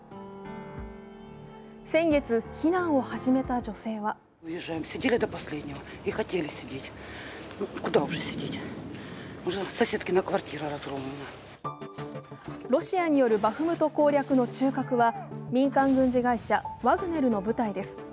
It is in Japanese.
先月、避難を始めた女性はロシアによるバフムト攻略の中核は民間軍事会社ワグネルの部隊です。